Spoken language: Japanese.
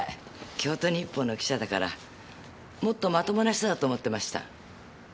京都日報の記者だからもっとまともな人だと思ってました。